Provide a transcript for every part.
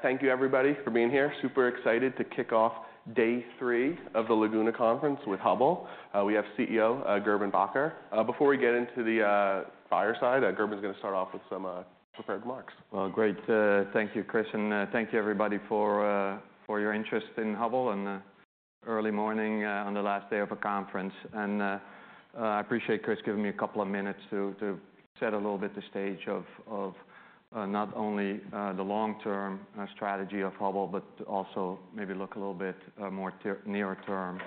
Thank you everybody for being here. Super excited to kick off day three of the Laguna Conference with Hubbell. We have CEO Gerben Bakker. Before we get into the fireside, Gerben's gonna start off with some prepared remarks. Great, thank you, Chris, and thank you everybody for your interest in Hubbell, and early morning on the last day of a conference. I appreciate Chris giving me a couple of minutes to set a little bit the stage of not only the long-term strategy of Hubbell, but also maybe look a little bit more near-term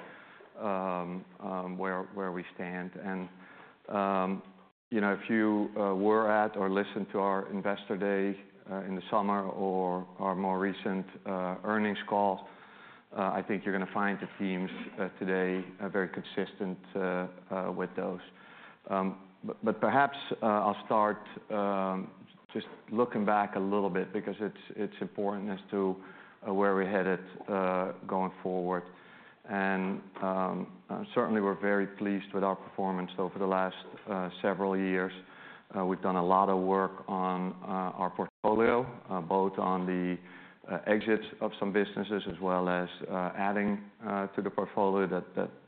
where we stand. You know, if you were at or listened to our investor day in the summer or our more recent earnings call, I think you're gonna find the themes today very consistent with those. But perhaps I'll start just looking back a little bit because it's important as to where we're headed going forward. Certainly we're very pleased with our performance over the last several years. We've done a lot of work on our portfolio, both on the exits of some businesses, as well as adding to the portfolio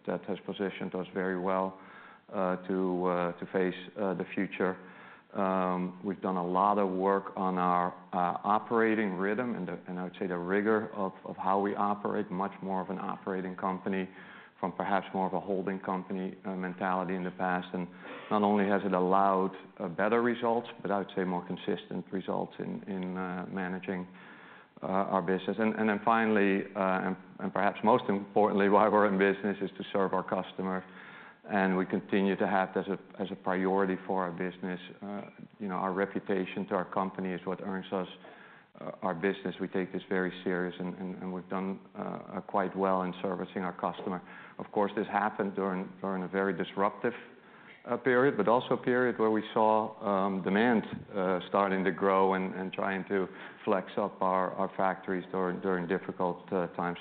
that has positioned us very well to face the future. We've done a lot of work on our operating rhythm, and I would say the rigor of how we operate, much more of an operating company from perhaps more of a holding company mentality in the past. Not only has it allowed better results, but I would say more consistent results in managing our business. And then finally, and perhaps most importantly, why we're in business is to serve our customer, and we continue to have that as a priority for our business. You know, our reputation to our company is what earns us our business. We take this very serious, and we've done quite well in servicing our customer. Of course, this happened during a very disruptive period, but also a period where we saw demand starting to grow and trying to flex up our factories during difficult times.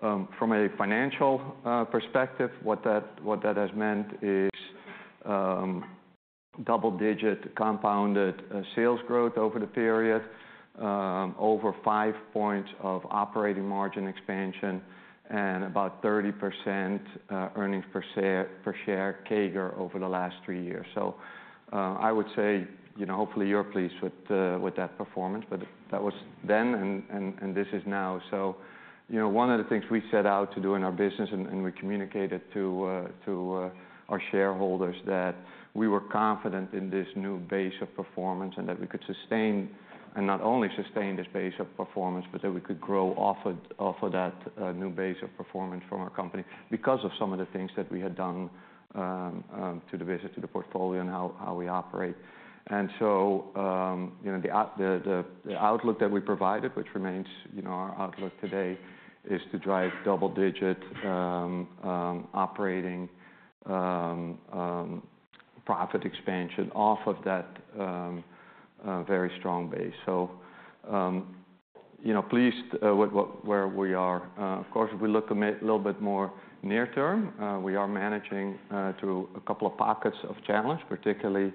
So, from a financial perspective, what that has meant is double-digit compounded sales growth over the period, over five points of operating margin expansion, and about 30% earnings per share CAGR over the last three years. I would say, you know, hopefully you're pleased with that performance, but that was then and this is now. So, you know, one of the things we set out to do in our business, and we communicated to our shareholders, that we were confident in this new base of performance, and that we could sustain, and not only sustain this base of performance, but that we could grow off of that new base of performance from our company, because of some of the things that we had done to the business, to the portfolio, and how we operate. And so, you know, the outlook that we provided, which remains, you know, our outlook today, is to drive double digit operating profit expansion off of that very strong base. So, you know, pleased with where we are. Of course, if we look a little bit more near term, we are managing through a couple of pockets of challenge, particularly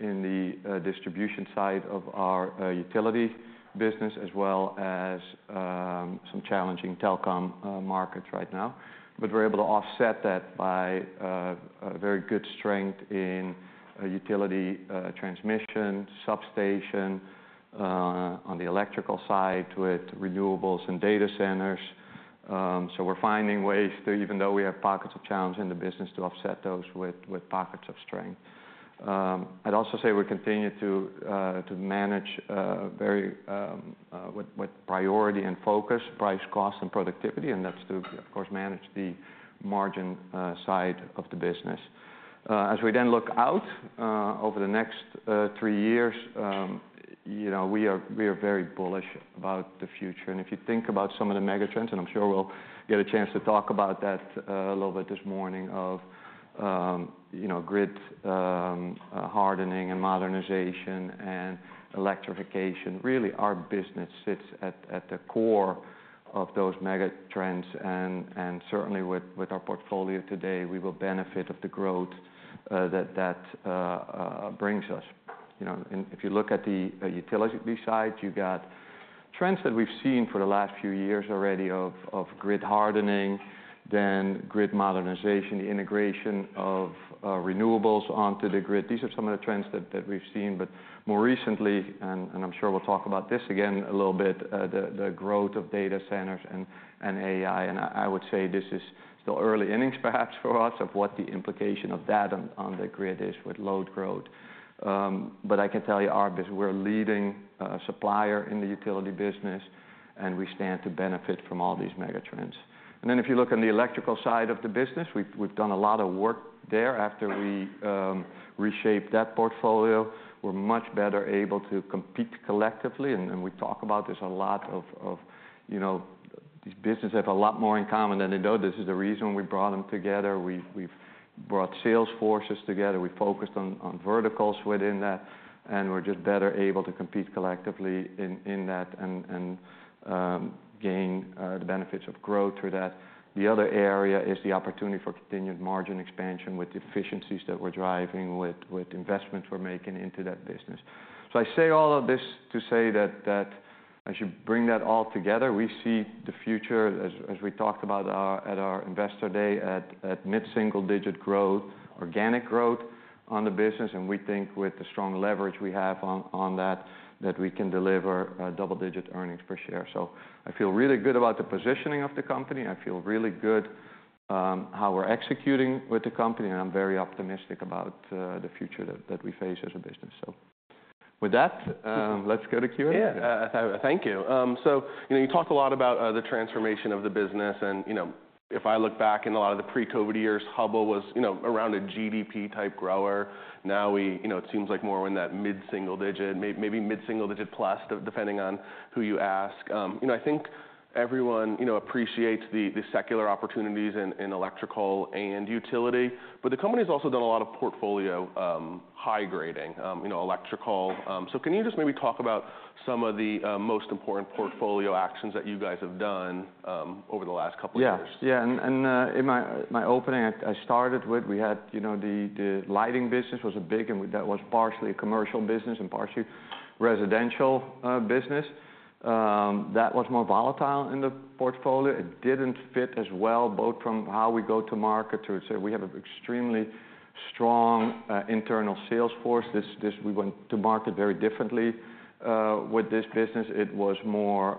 in the distribution side of our utility business, as well as some challenging telecom markets right now. But we're able to offset that by a very good strength in utility transmission, substation on the electrical side with renewables and data centers. So we're finding ways to, even though we have pockets of challenge in the business, to offset those with pockets of strength. I'd also say we continue to manage very with priority and focus, price, cost, and productivity, and that's to, of course, manage the margin side of the business. As we then look out over the next three years, you know, we are very bullish about the future, and if you think about some of the megatrends, and I'm sure we'll get a chance to talk about that a little bit this morning, of you know, grid hardening and modernization and electrification, really, our business sits at the core of those megatrends, and certainly with our portfolio today, we will benefit of the growth that brings us. You know, and if you look at the utility side, you got trends that we've seen for the last few years already of grid hardening, then grid modernization, the integration of renewables onto the grid. These are some of the trends that we've seen. But more recently, I'm sure we'll talk about this again a little bit, the growth of data centers and AI, and I would say this is still early innings perhaps for us, of what the implication of that on the grid is with load growth. But I can tell you, we're a leading supplier in the utility business, and we stand to benefit from all these megatrends. And then, if you look on the electrical side of the business, we've done a lot of work there after we reshaped that portfolio. We're much better able to compete collectively, and we talk about this a lot, you know, these businesses have a lot more in common than they don't. This is the reason we brought them together. We've brought sales forces together. We focused on verticals within that, and we're just better able to compete collectively in that and gain the benefits of growth through that. The other area is the opportunity for continued margin expansion with the efficiencies that we're driving, with investments we're making into that business. So I say all of this to say that as you bring that all together, we see the future, as we talked about our at our investor day, at mid-single digit growth, organic growth on the business, and we think with the strong leverage we have on that we can deliver double-digit earnings per share. So I feel really good about the positioning of the company. I feel really good how we're executing with the company, and I'm very optimistic about the future that we face as a business. So with that, let's go to Q&A. Yeah. Thank you. So, you know, you talked a lot about the transformation of the business, and, you know, if I look back in a lot of the pre-COVID years, Hubbell was, you know, around a GDP-type grower. Now we, you know, it seems like more in that mid-single digit, maybe mid-single digit plus, depending on who you ask. You know, I think everyone, you know, appreciates the secular opportunities in electrical and utility, but the company's also done a lot of portfolio high grading, you know, electrical. So can you just maybe talk about some of the most important portfolio actions that you guys have done over the last couple of years? Yeah. Yeah, and in my opening, I started with we had, you know, the lighting business was a big, and that was partially a commercial business and partially residential business. That was more volatile in the portfolio. It didn't fit as well, both from how we go to market, to say we have an extremely strong internal sales force. We went to market very differently with this business. It was more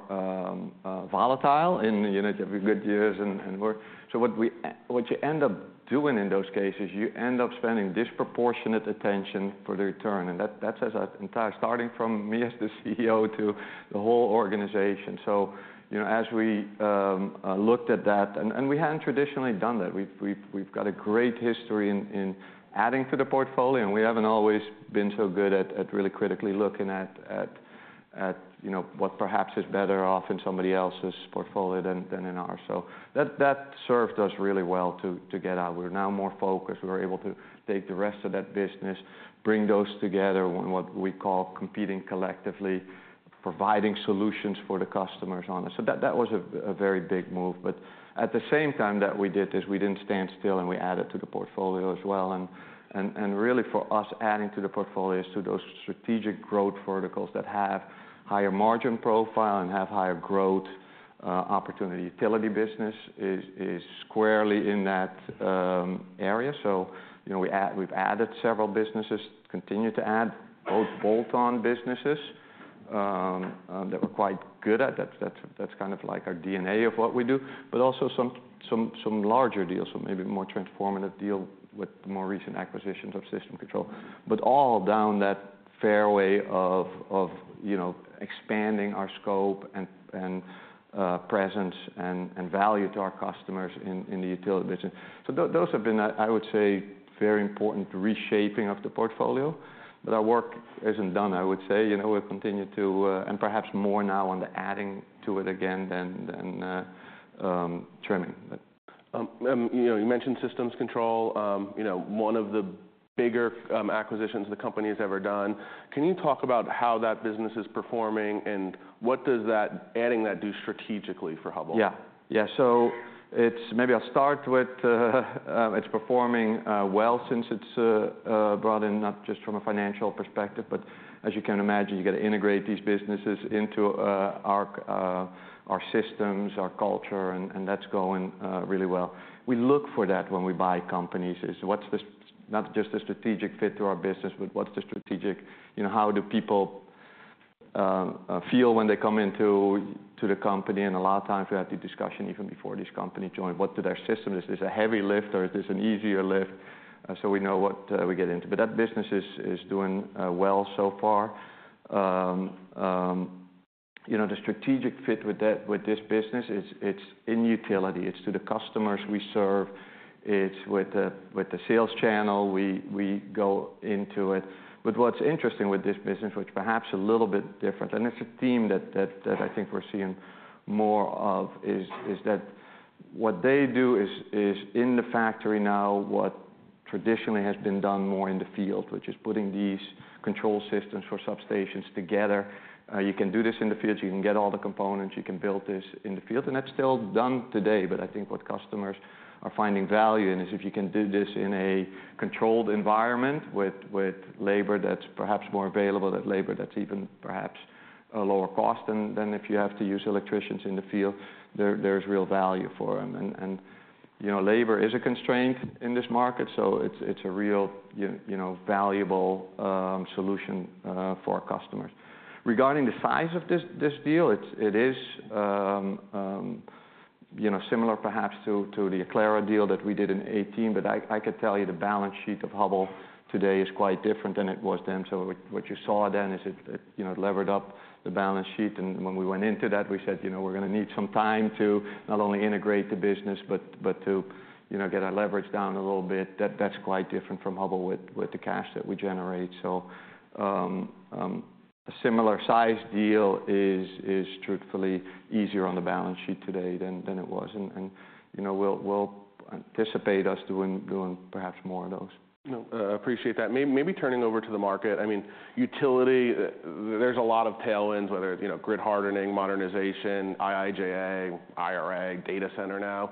volatile in, you know, the good years and worse. So what you end up doing in those cases, you end up spending disproportionate attention for the return, and that as an entire, starting from me as the CEO to the whole organization. So, you know, as we looked at that. We hadn't traditionally done that. We've got a great history in adding to the portfolio, and we haven't always been so good at really critically looking at, you know, what perhaps is better off in somebody else's portfolio than in ours. So that served us really well to get out. We're now more focused. We're able to take the rest of that business, bring those together in what we call competing collectively, providing solutions for the customers on it. So that was a very big move, but at the same time that we did this, we didn't stand still, and we added to the portfolio as well, and really for us, adding to the portfolio is to those strategic growth verticals that have higher margin profile and have higher growth opportunity. Utility business is squarely in that area, so, you know, we've added several businesses, continue to add, both bolt-on businesses that we're quite good at. That's kind of like our DNA of what we do. But also some larger deals, so maybe more transformative deal with the more recent acquisitions of Systems Control. But all down that fairway of you know, expanding our scope and presence and value to our customers in the utility business. So those have been I would say, very important reshaping of the portfolio, but our work isn't done, I would say. You know, we'll continue to and perhaps more now on the adding to it again than trimming, but. You know, you mentioned Systems Control. You know, one of the bigger acquisitions the company has ever done. Can you talk about how that business is performing, and what does adding that do strategically for Hubbell? Yeah. Yeah, so it's... Maybe I'll start with, it's performing well since it's brought in, not just from a financial perspective, but as you can imagine, you've got to integrate these businesses into our systems, our culture, and that's going really well. We look for that when we buy companies, is what's the, not just the strategic fit to our business, but what's the strategic- you know, how do people feel when they come into the company? And a lot of times, we have the discussion even before this company joined. What is their system? Is it a heavy lift, or is this an easier lift? So we know what we get into. But that business is doing well so far. You know, the strategic fit with that, with this business, is it's in utility. It's to the customers we serve. It's with the sales channel we go into it. But what's interesting with this business, which perhaps a little bit different, and it's a theme that I think we're seeing more of, is that what they do is in the factory now, what traditionally has been done more in the field, which is putting these control systems for substations together. You can do this in the field. You can get all the components, you can build this in the field, and that's still done today. But I think what customers are finding value in is if you can do this in a controlled environment with labor that's perhaps more available, that labor that's even perhaps a lower cost than if you have to use electricians in the field, there's real value for them. And you know, labor is a constraint in this market, so it's a real, you know, valuable solution for our customers. Regarding the size of this deal, it is you know, similar perhaps to the Aclara deal that we did in 2018, but I could tell you the balance sheet of Hubbell today is quite different than it was then. So what you saw then is it you know, it levered up the balance sheet. And when we went into that, we said, "You know, we're gonna need some time to not only integrate the business, but to, you know, get our leverage down a little bit." That's quite different from Hubbell with the cash that we generate. So, a similar size deal is truthfully easier on the balance sheet today than it was. And, you know, we'll anticipate us doing perhaps more of those. You know, I appreciate that. Maybe turning over to the market, I mean, utility, there's a lot of tailwinds, whether it's, you know, grid hardening, modernization, IIJA, IRA, data center now.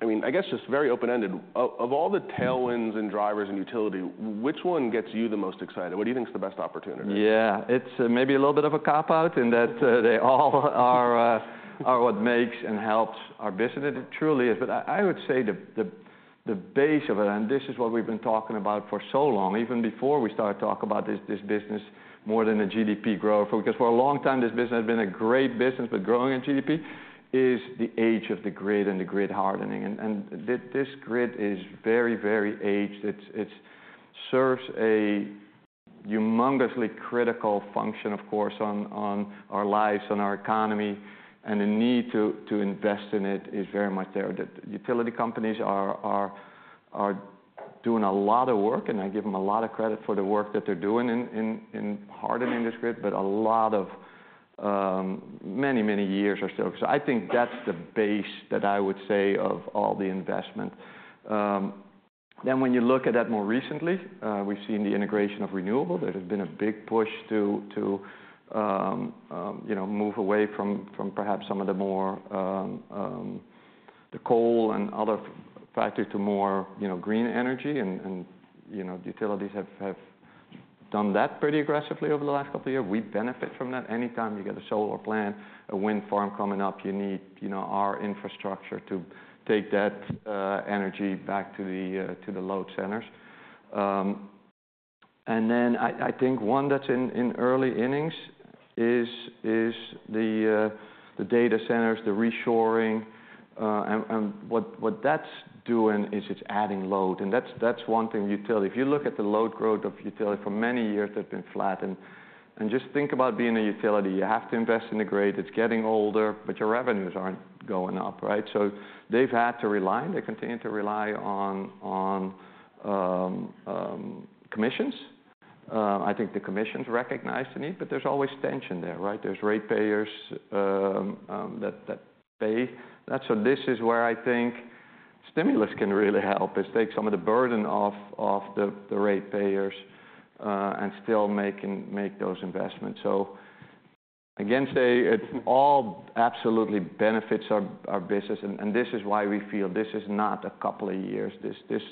I mean, I guess just very open-ended, of all the tailwinds and drivers in utility, which one gets you the most excited? What do you think is the best opportunity? Yeah, it's maybe a little bit of a cop-out in that they all are what makes and helps our business. It truly is. But I would say the base of it, and this is what we've been talking about for so long, even before we started talking about this business more than a GDP growth. Because for a long time, this business has been a great business, but growing in GDP is the age of the grid and the grid hardening, and this grid is very, very aged. It serves a humongously critical function, of course, on our lives, on our economy, and the need to invest in it is very much there. The utility companies are doing a lot of work, and I give them a lot of credit for the work that they're doing in hardening this grid, but a lot of many years or so. So I think that's the base that I would say of all the investment. Then when you look at that more recently, we've seen the integration of renewable. There has been a big push to you know, move away from perhaps some of the more the coal and other factors to more you know, green energy, and you know, the utilities have done that pretty aggressively over the last couple of years. We benefit from that. Anytime you get a solar plant, a wind farm coming up, you need, you know, our infrastructure to take that energy back to the load centers, and then I think one that's in early innings is the data centers, the reshoring, and what that's doing is it's adding load, and that's one thing utility. If you look at the load growth of utility, for many years, they've been flat, and just think about being a utility. You have to invest in the grid, it's getting older, but your revenues aren't going up, right, so they've had to rely, and they continue to rely on commissions. I think the commissions recognize the need, but there's always tension there, right? There's ratepayers that pay. That's so this is where I think stimulus can really help, is take some of the burden off the ratepayers and still make those investments. So again, it all absolutely benefits our business, and this is why we feel this is not a couple of years. This,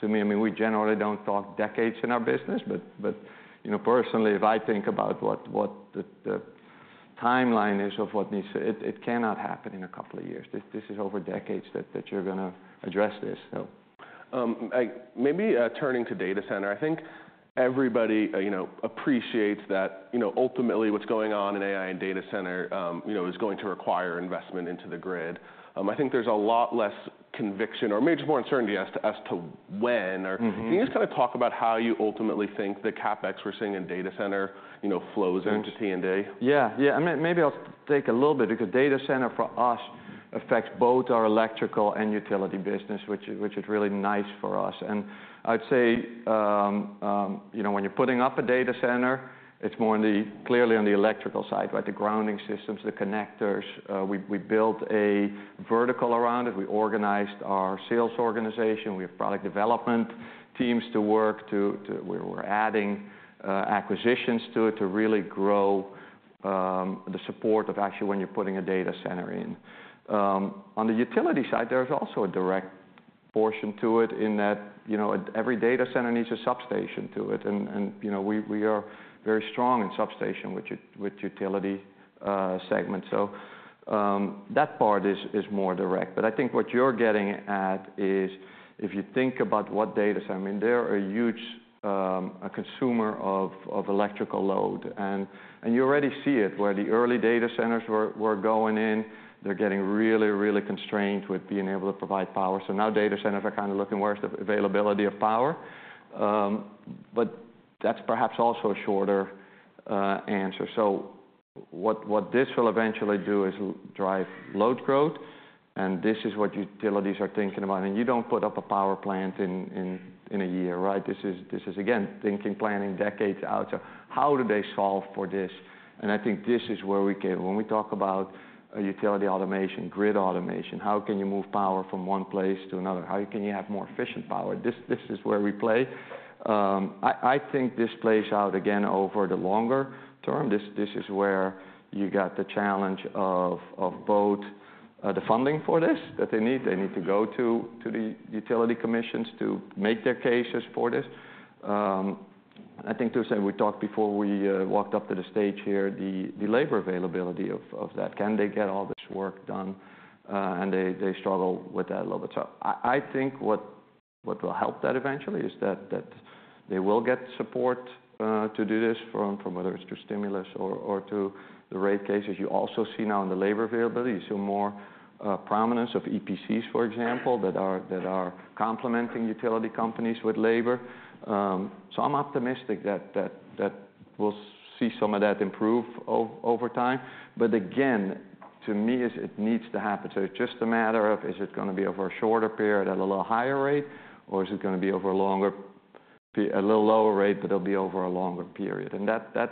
to me, I mean, we generally don't talk decades in our business, but you know, personally, if I think about what the timeline is of what needs to. It cannot happen in a couple of years. This is over decades that you're gonna address this, so. I maybe turning to data center, I think everybody you know appreciates that, you know, ultimately what's going on in AI and data center, you know, is going to require investment into the grid. I think there's a lot less conviction or maybe just more uncertainty as to when or- Mm-hmm. Can you just kind of talk about how you ultimately think the CapEx we're seeing in data center, you know, flows into T&D? Yeah, yeah. I mean, maybe I'll take a little bit, because data center for us affects both our electrical and utility business, which is really nice for us. And I'd say, you know, when you're putting up a data center, it's more on the, clearly on the electrical side, right? The grounding systems, the connectors. We built a vertical around it. We organized our sales organization. We have product development teams. We're adding acquisitions to it to really grow the support of actually when you're putting a data center in. On the utility side, there's also a direct portion to it in that, you know, every data center needs a substation to it, and you know, we are very strong in substation with utility segment. That part is more direct. But I think what you're getting at is, if you think about what data... I mean, they're a huge consumer of electrical load. And you already see it, where the early data centers were going in, they're getting really constrained with being able to provide power. So now data centers are kind of looking where's the availability of power. But that's perhaps also a shorter answer. So what this will eventually do is drive load growth, and this is what utilities are thinking about. And you don't put up a power plant in a year, right? This is again thinking, planning decades out. So how do they solve for this? And I think this is where we can... When we talk about a utility automation, grid automation, how can you move power from one place to another? How can you have more efficient power? This is where we play. I think this plays out again over the longer term. This is where you got the challenge of both the funding for this that they need. They need to go to the utility commissions to make their cases for this. I think, to say we talked before we walked up to the stage here, the labor availability of that. Can they get all this work done? And they struggle with that a little bit. So I think what will help that eventually is that they will get support to do this from whether it's through stimulus or to the rate cases. You also see now in the labor availability, you see more prominence of EPCs, for example, that are complementing utility companies with labor. So I'm optimistic that we'll see some of that improve over time. But again to me it needs to happen. So it's just a matter of, is it gonna be over a shorter period at a little higher rate? Or is it gonna be over a longer a little lower rate, but it'll be over a longer period? And that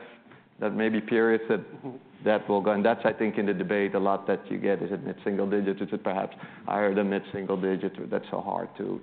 may be periods that will go. And that's, I think, in the debate a lot that you get, is it mid-single digit? Is it perhaps higher than mid-single digit? That's so hard to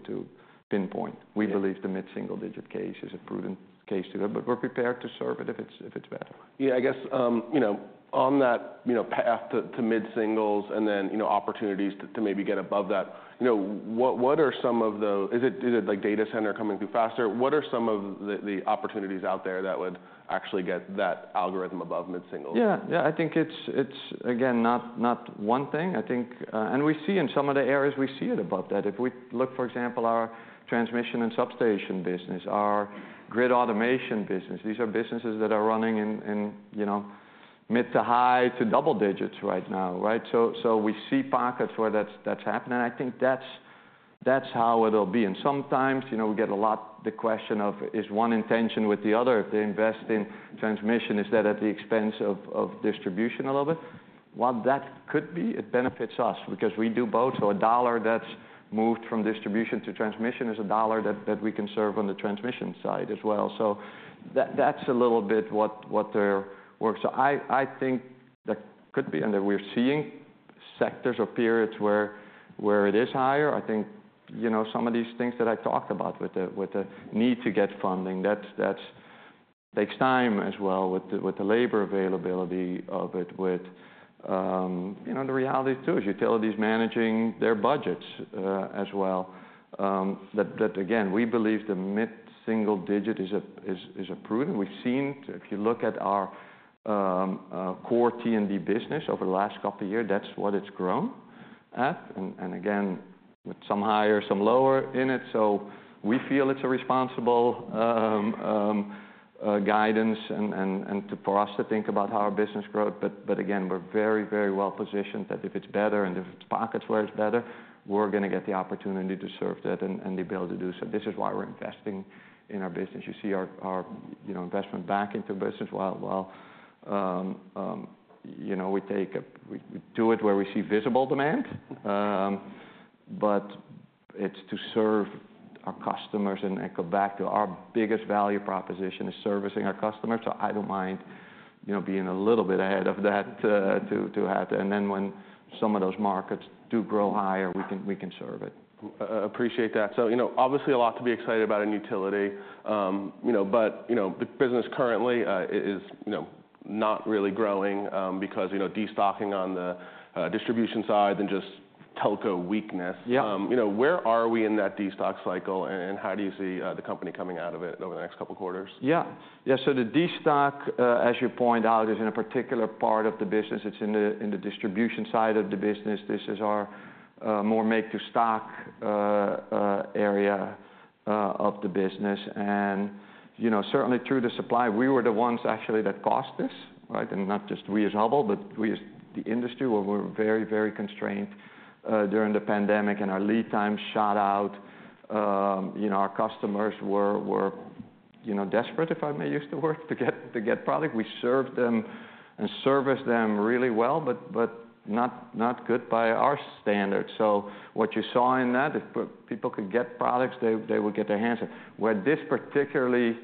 pinpoint. We believe the mid-single digit case is a prudent case to go, but we're prepared to serve it if it's better. Yeah, I guess, you know, on that, you know, path to mid-singles and then, you know, opportunities to maybe get above that, you know, what are some of the... Is it, like, data center coming through faster? What are some of the opportunities out there that would actually get that organic above mid-single? Yeah. Yeah, I think it's, again, not one thing. I think, and we see in some of the areas, we see it above that. If we look, for example, our transmission and substation business, our grid automation business, these are businesses that are running, you know, mid- to high- to double digits right now, right? So, we see pockets where that's happening, and I think that's how it'll be. And sometimes, you know, we get the question a lot, is one in tension with the other? If they invest in transmission, is that at the expense of distribution a little bit? While that could be, it benefits us because we do both. So a dollar that's moved from distribution to transmission is a dollar that we can serve on the transmission side as well. So that's a little bit what there works. So I think that could be, and that we're seeing sectors or periods where it is higher. I think, you know, some of these things that I talked about with the need to get funding, that takes time as well with the labor availability of it, with, you know, the reality, too, is utilities managing their budgets, as well. That again, we believe the mid-single digit is a prudent. We've seen, if you look at our core T&D business over the last couple of year, that's what it's grown at, and again, with some higher, some lower in it. So we feel it's a responsible guidance and for us to think about how our business grows. But again, we're very, very well positioned that if it's better and if it's pockets where it's better, we're gonna get the opportunity to serve that and the ability to do so. This is why we're investing in our business. You see our you know, investment back into business while you know, we do it where we see visible demand. But it's to serve our customers and echo back to our biggest value proposition is servicing our customers. So I don't mind you know, being a little bit ahead of that to have. And then when some of those markets do grow higher, we can serve it. Appreciate that. So, you know, obviously a lot to be excited about in utility. You know, but, you know, the business currently is, you know, not really growing, because, you know, destocking on the distribution side and just telco weakness. Yeah. You know, where are we in that destock cycle, and how do you see the company coming out of it over the next couple of quarters? Yeah. Yeah, so the destock, as you point out, is in a particular part of the business. It's in the distribution side of the business. This is our more make to stock area of the business. And, you know, certainly through the supply, we were the ones actually that caused this, right? And not just we as Hubbell, but we as the industry, where we're very, very constrained during the pandemic, and our lead time shot out. You know, our customers were you know, desperate, if I may use the word, to get product. We served them and serviced them really well, but not good by our standards. So what you saw in that, if people could get products, they would get their hands on. Where this particularly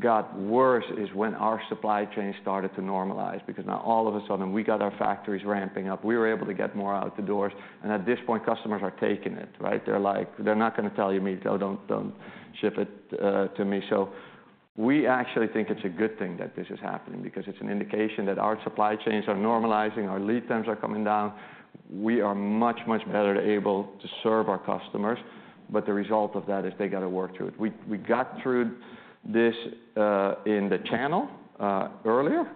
got worse is when our supply chain started to normalize, because now all of a sudden we got our factories ramping up. We were able to get more out the doors, and at this point, customers are taking it, right? They're like, they're not gonna tell you me, "Oh, don't, don't ship it, to me." So we actually think it's a good thing that this is happening, because it's an indication that our supply chains are normalizing, our lead times are coming down. We are much, much better able to serve our customers, but the result of that is they gotta work through it. We got through this in the channel earlier,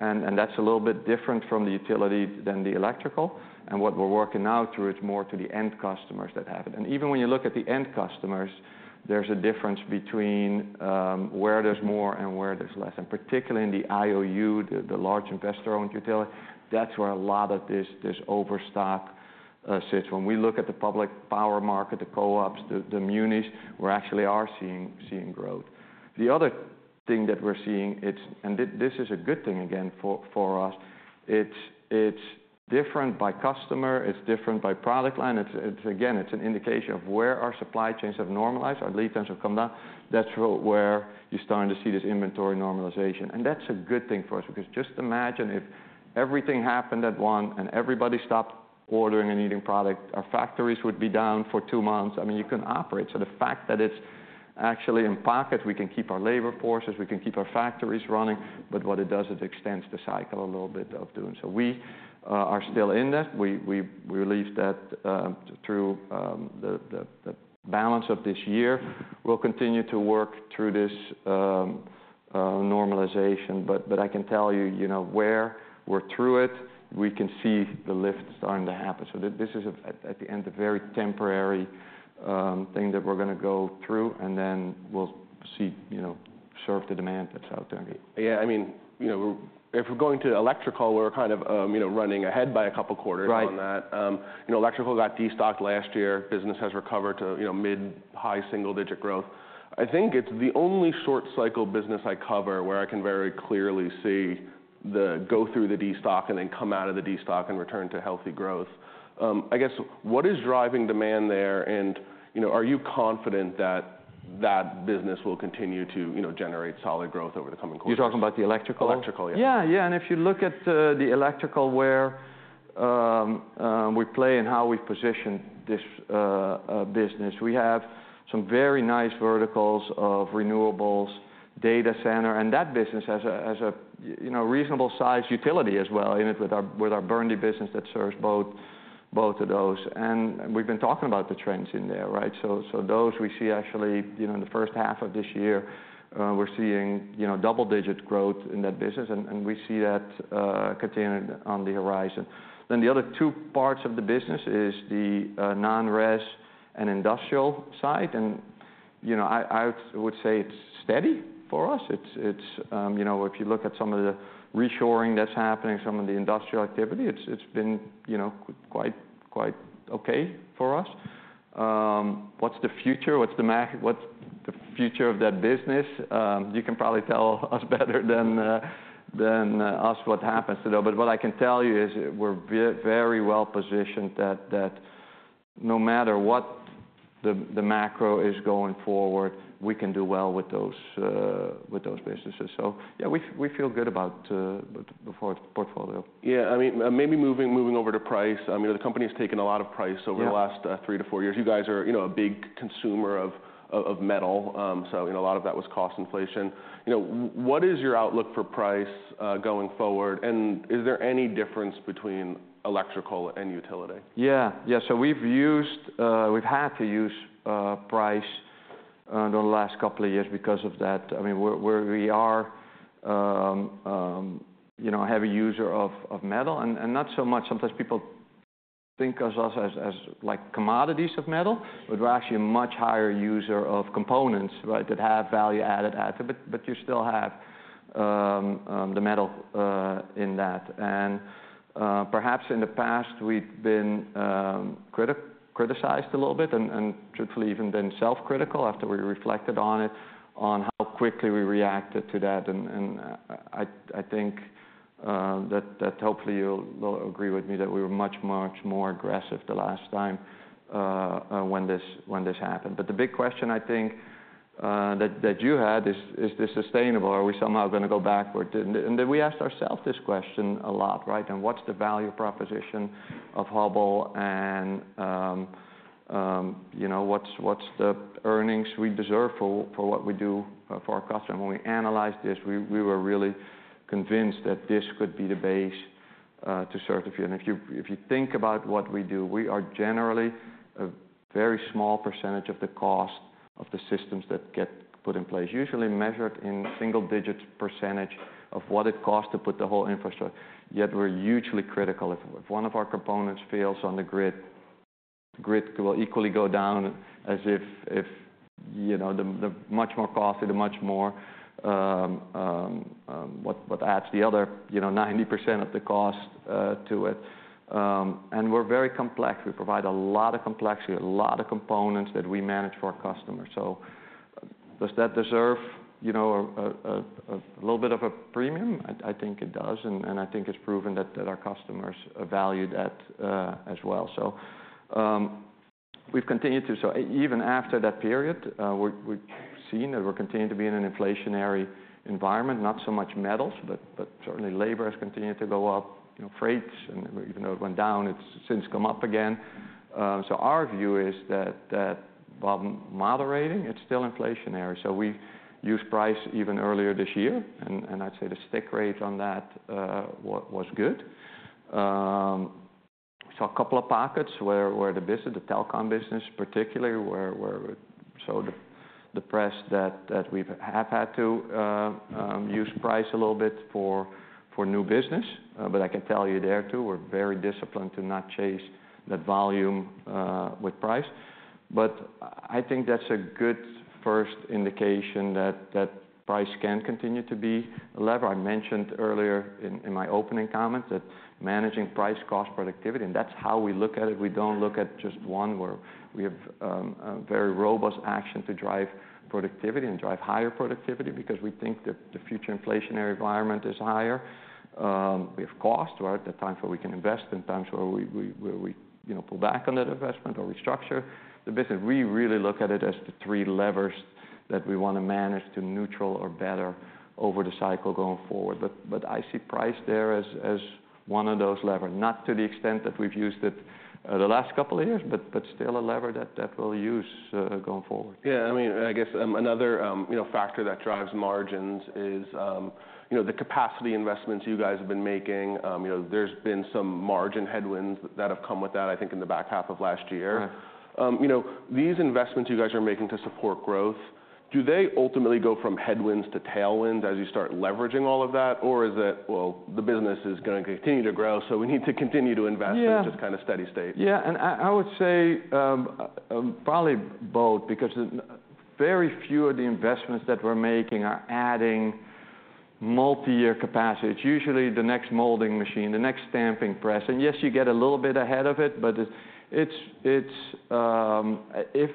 and that's a little bit different from the utility than the electrical. What we're working now through, it's more to the end customers that have it. And even when you look at the end customers, there's a difference between where there's more and where there's less, and particularly in the IOU, the large investor-owned utility, that's where a lot of this overstock sits. When we look at the public power market, the co-ops, the Munis, we're actually seeing growth. The other thing that we're seeing, it's, and this is a good thing again for us, it's different by customer, it's different by product line. It's again an indication of where our supply chains have normalized, our lead times have come down. That's where you're starting to see this inventory normalization. And that's a good thing for us, because just imagine if everything happened at once and everybody stopped ordering and needing product, our factories would be down for two months. I mean, you couldn't operate, so the fact that it's actually in pockets, we can keep our labor forces, we can keep our factories running, but what it does, it extends the cycle a little bit of doing, so we are still in that. We believe that through the balance of this year, we'll continue to work through this normalization, but I can tell you, you know, where we're through it, we can see the lift starting to happen, so this is at the end a very temporary thing that we're gonna go through, and then we'll see, you know, serve the demand that's out there. Yeah, I mean, you know, if we're going to electrical, we're kind of, you know, running ahead by a couple quarters- Right On that. You know, electrical got destocked last year. Business has recovered to, you know, mid-high single-digit growth. I think it's the only short cycle business I cover, where I can very clearly see the go through the destock and then come out of the destock and return to healthy growth. I guess, what is driving demand there? And, you know, are you confident that that business will continue to, you know, generate solid growth over the coming quarters? You're talking about the electrical? Electrical, yeah. Yeah, yeah, and if you look at the electrical world where we play and how we position this business, we have some very nice verticals of renewables, data center, and that business has a, you know, reasonable size utility as well in it with our Burndy business that serves both of those. And we've been talking about the trends in there, right? So those we see actually, you know, in the first half of this year, we're seeing, you know, double-digit growth in that business, and we see that continuing on the horizon. Then the other two parts of the business is the non-res and industrial side and, you know, I would say it's steady for us. It's you know, if you look at some of the reshoring that's happening, some of the industrial activity, it's been you know, quite okay for us. What's the future? What's the future of that business? You can probably tell us better than us what happens to them. But what I can tell you is, we're very well positioned, that no matter what the macro is going forward, we can do well with those businesses. So yeah, we feel good about the portfolio. Yeah, I mean, maybe moving over to price. I mean, the company's taken a lot of price- Yeah... over the last three to four years. You guys are, you know, a big consumer of metal. So and a lot of that was cost inflation. You know, what is your outlook for price going forward? And is there any difference between electrical and utility? Yeah. Yeah, so we've used, we've had to use price during the last couple of years because of that. I mean, we're we are, you know, a heavy user of metal and not so much sometimes people think of us as, like, commodities of metal, but we're actually a much higher user of components, right? That have value added at them, but you still have the metal in that. And perhaps in the past, we've been criticized a little bit and truthfully, even been self-critical after we reflected on it, on how quickly we reacted to that, and I think that hopefully you'll agree with me, that we were much, much more aggressive the last time, when this happened. But the big question, I think, that you had, is this sustainable, or are we somehow gonna go backwards? And then we asked ourselves this question a lot, right? And what's the value proposition of Hubbell? And, you know, what's the earnings we deserve for what we do for our customer? When we analyzed this, we were really convinced that this could be the base to serve the future. And if you think about what we do, we are generally a very small percentage of the cost of the systems that get put in place. Usually measured in single-digit % of what it costs to put the whole infrastructure. Yet, we're hugely critical. If one of our components fails on the grid, the grid will equally go down as if, you know, the much more costly, the much more, what adds the other, you know, 90% of the cost to it. And we're very complex. We provide a lot of complexity, a lot of components that we manage for our customers. So does that deserve, you know, a little bit of a premium? I think it does, and I think it's proven that our customers value that as well. So we've continued to. So even after that period, we've seen that we're continuing to be in an inflationary environment, not so much metals, but certainly labor has continued to go up. You know, freights, and even though it went down, it's since come up again. So our view is that while moderating, it's still inflationary. So we've used price even earlier this year, and I'd say the stick rate on that was good. So a couple of pockets, where the business, the telecom business particularly, where we showed the pressure that we've had to use price a little bit for new business. But I can tell you there, too, we're very disciplined to not chase that volume with price. But I think that's a good first indication that price can continue to be a lever. I mentioned earlier in my opening comments, that managing price, cost, productivity, and that's how we look at it. We don't look at just one, where we have a very robust action to drive productivity and drive higher productivity because we think that the future inflationary environment is higher. We have cost, right? The times where we can invest, and times where we you know pull back on that investment or restructure the business. We really look at it as the three levers that we wanna manage to neutral or better over the cycle going forward. But I see price there as one of those lever. Not to the extent that we've used it the last couple of years, but still a lever that we'll use going forward. Yeah, I mean, I guess, another, you know, factor that drives margins is, you know, the capacity investments you guys have been making. You know, there's been some margin headwinds that have come with that, I think, in the back half of last year. Right. You know, these investments you guys are making to support growth, do they ultimately go from headwinds to tailwinds as you start leveraging all of that? Or is it, well, the business is gonna continue to grow, so we need to continue to invest- Yeah... in just kind of steady state? Yeah, and I would say probably both, because very few of the investments that we're making are adding multi-year capacity. It's usually the next molding machine, the next stamping press. And yes, you get a little bit ahead of it, but if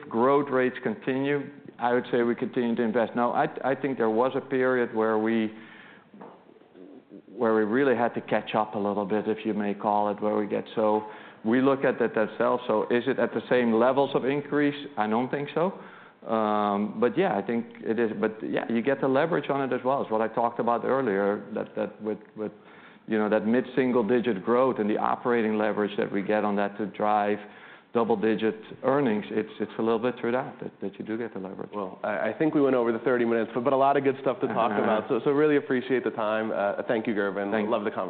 growth rates continue, I would say we continue to invest. Now, I think there was a period where we really had to catch up a little bit, if you may call it, where we get. So we look at it ourselves. So is it at the same levels of increase? I don't think so. But yeah, I think it is. But yeah, you get the leverage on it as well. It's what I talked about earlier, that with, you know, that mid-single-digit growth and the operating leverage that we get on that to drive double-digit earnings. It's a little bit through that you do get the leverage. I think we went over the 30 minutes, but a lot of good stuff to talk about. Uh-huh. So, I really appreciate the time. Thank you, Gerben. Thank you. Love to come back.